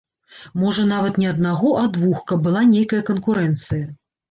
Можа, нават не аднаго, а двух, каб была нейкая канкурэнцыя.